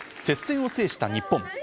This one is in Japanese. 接戦を制した日本。